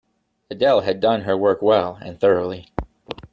Adele had done her work well and thoroughly.